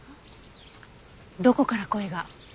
どこから声が？